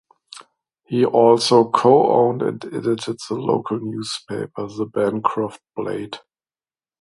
He also co-owned and edited the local newspaper, the "Bancroft Blade".